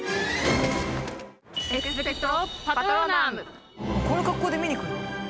この格好で見に行くの？